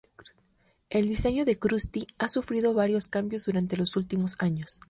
El diseño de Krusty ha sufrido varios cambios durante los últimos años.